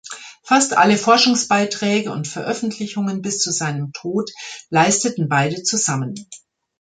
Fast alle Forschungsbeiträge und Veröffentlichungen bis zu seinem Tod leisteten beide zusammen.